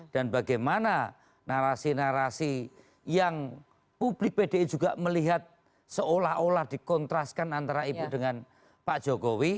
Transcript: dan bagaimana narasi narasi yang publik pdi juga melihat seolah olah dikontraskan antara ibu dengan pak jokowi